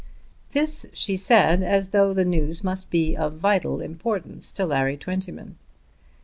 This she said as though the news must be of vital importance to Larry Twentyman.